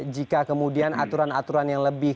jika kemudian aturan aturan yang lebih